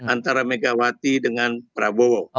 antara megawati dengan prabowo